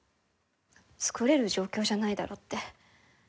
「作れる状況じゃないだろ」って。